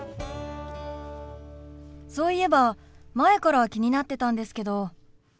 そういえば前から気になってたんですけど。